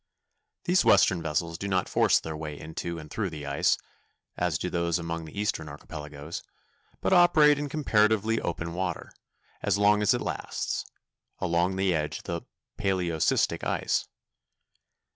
These western vessels do not force their way into and through the ice, as do those among the eastern archipelagoes, but operate in comparatively open water, as long as it lasts, along the edge of the paleocrystic ice.